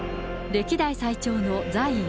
歴代最長の在位